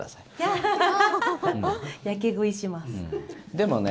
でもね